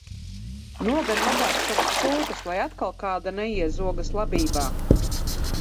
Nogani labāk savas cūkas, lai atkal kāda neiezogas labībā!